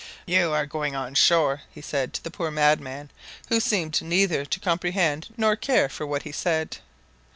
"You are going on shore," he said to the poor madman, who seemed neither to comprehend nor to care for what he said.